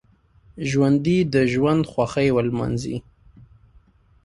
ژوندي د ژوند خوښۍ ولمانځي